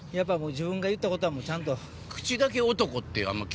自分が言ったことはちゃんと。